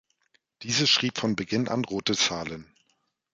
Diese schrieb von Beginn an „rote Zahlen“.